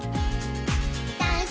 「ダンス！